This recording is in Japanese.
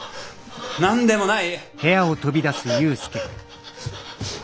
何でもない！